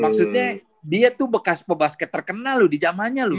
maksudnya dia tuh bekas pebasket terkenal loh di zamannya loh